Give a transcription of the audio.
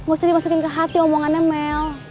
mesti dimasukin ke hati omongannya mel